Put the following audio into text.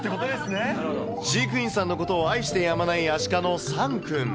飼育員さんのことを愛してやまない、アシカのサンくん。